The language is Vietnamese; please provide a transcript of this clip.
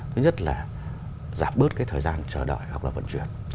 thứ nhất là giảm bớt cái thời gian chờ đợi hoặc là vận chuyển